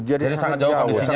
jadi sangat jauh kondisinya